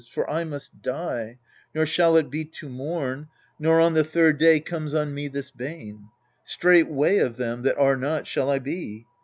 For I must die, nor shall it be to morn, Nor on the third day comes on me this bane: Straightway of them that are not shall I be.